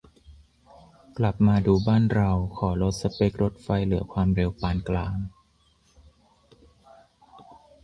กลับมาดูบ้านเรา ขอลดสเป็กรถไฟเหลือความเร็วปานกลาง